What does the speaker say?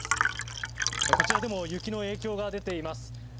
こちらでも雪の影響が出ています。